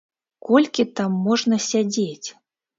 Колькі там можна сядзець?